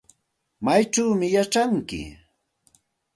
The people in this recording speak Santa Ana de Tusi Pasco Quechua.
¿Maychawmi yachanki?